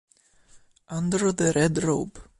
Under the Red Robe